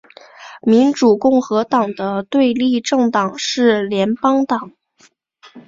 民主共和党的对立政党是联邦党。